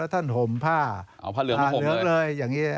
แล้วท่านผมถ้าเหลืองเลย